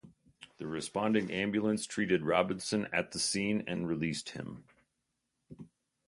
The responding ambulance treated Robinson at the scene and released him.